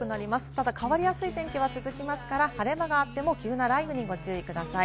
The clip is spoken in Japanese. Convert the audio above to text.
ただ変わりやすい天気は続きますから、晴れ間があっても急な雷雨にご注意ください。